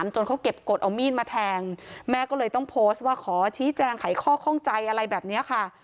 จนเขาเก็บกฎเอามีดมาแทงแม่ก็เลยต้องโพสต์ว่าขอชี้แจงไขข้อข้องใจอะไรแบบนี้ค่ะ